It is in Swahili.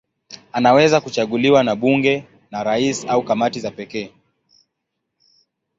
Anaweza kuchaguliwa na bunge, na rais au kamati za pekee.